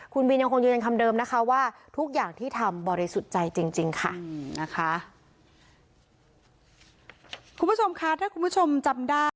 คุณบินยังคงยืนยันคำเดิมนะคะว่าทุกอย่างที่ทำบริสุทธิ์ใจจริงค่ะนะคะ